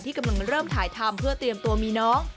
กำลังเริ่มถ่ายทำเพื่อเตรียมตัวมีน้อง